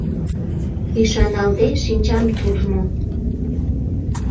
Ӱшаналде, шинчам туржмо: